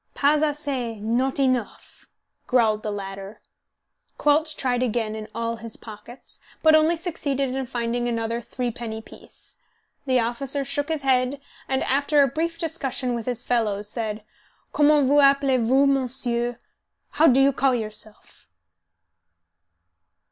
"Pas assez, not enouf," growled the latter. Quelch tried again in all his pockets, but only succeeded in finding another threepenny piece. The officer shook his head, and, after a brief discussion with his fellows, said, "Comment vous appelez vous, monsieur? How do you call yourself?"